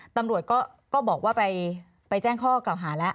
ตำรวจก็บอกว่าไปแจ้งข้อกล่าวหาแล้ว